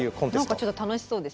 何かちょっと楽しそうです。